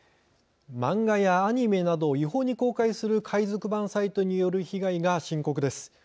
漫画やアニメなどを違法に公開する海賊版サイトによる被害が深刻です。